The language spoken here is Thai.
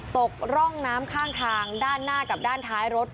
ตกร่องน้ำข้างทางด้านหน้ากับด้านท้ายรถ